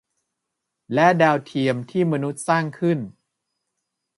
และดาวเทียมที่มนุษย์สร้างขึ้น